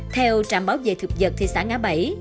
theo trạm bảo vệ thực vật thị xã ngã bảy